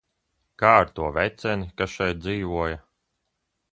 Kā ar to veceni, kas šeit dzīvoja?